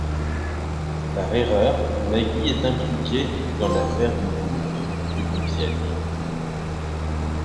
Par erreur, Maguy est impliquée dans l’affaire du groupe de Compiègne.